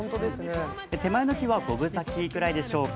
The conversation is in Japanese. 手前の木は五分咲きくらいでしょうか。